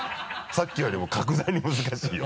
さっきよりも格段に難しいよ。